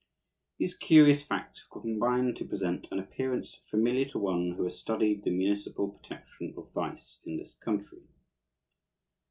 These curious facts combine to present an appearance familiar to one who has studied the municipal protection of vice in this country.